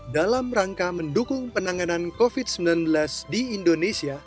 dalam rangka mendukung penanganan covid sembilan belas di indonesia